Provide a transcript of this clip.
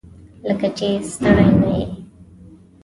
لکه چې ستړی نه یې؟